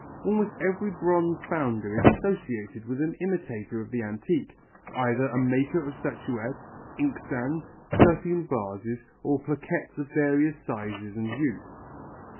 Almost every bronze founder is associated with an imitator of the antique, either a maker of statuettes, inkstands, perfume vases, or plaquettes of various sizes and use.